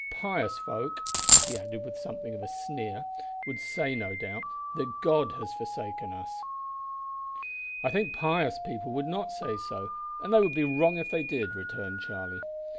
Pious folk," he added, with something of a sneer, "would say, no doubt, that God had forsaken us." "I think pious people would not say so, and they would be wrong if they did," returned Charlie.